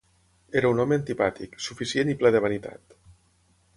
Era un home antipàtic, suficient i ple de vanitat.